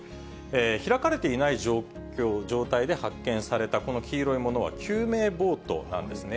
開かれていない状態で発見されたこの黄色いものは救命ボートなんですね。